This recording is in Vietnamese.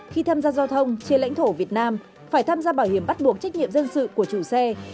khi tham gia giao thông trên lãnh thổ việt nam phải tham gia bảo hiểm bắt buộc trách nhiệm dân sự của chủ xe